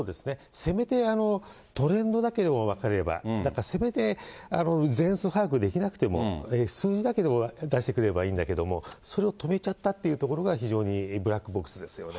せめて、トレンドだけは分かれば、せめて、全数把握できなくても、数字だけでも出してくれればいいんだけども、それを止めちゃったというところが、非常にブラックボックスです